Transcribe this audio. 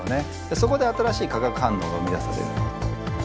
そこで新しい化学反応が生み出される。